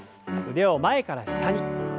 腕を前から下に。